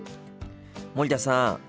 森田さん